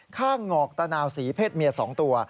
ข้างหงอกตะนาวสีเพศเมีย๒ตัว